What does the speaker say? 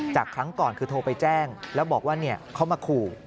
ครั้งก่อนคือโทรไปแจ้งแล้วบอกว่าเขามาขู่